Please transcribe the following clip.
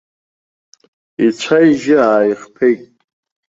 Ицәа-ижьы ааихԥеит.